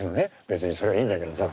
別にそれはいいんだけどさ。